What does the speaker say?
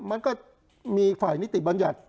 มันก็มีฝ่ายนิติบัญญัติ